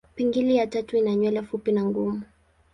Pingili ya tatu ina nywele fupi na ngumu.